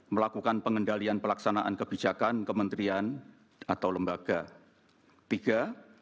dua melakukan pengendalian pelaksanaan kebijakan kementerian atau lembaga